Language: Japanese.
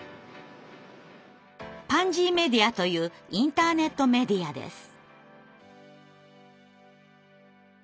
パンジーメディアというインターネットメディアです。